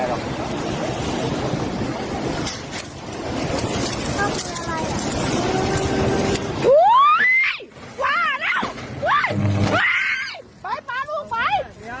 อุ๊ยว่าแล้วอุ๊ยอุ๊ยไปป่าลูกไป